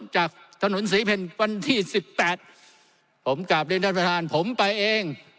จากถนนศรีเพลวันที่สิบแปดผมกลับเรียนท่านประธานผมไปเอง